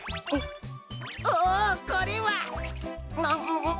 おおこれは！